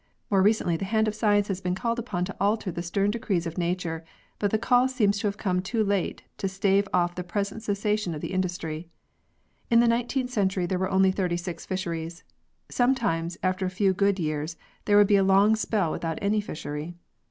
More recently the hand of science has been called upon to alter the stern decrees of nature, but the call seems to have come too late to stave off the present cessation of the industry. In the 19th century there were only 36 fisheries. Sometimes, after a few good years there would be a long spell without any fishery.